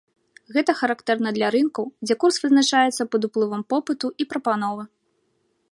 Гэта характэрна для рынкаў, дзе курс вызначаецца пад уплывам попыту і прапановы.